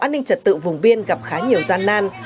án hình tật tự vùng biên gặp khá nhiều gian nan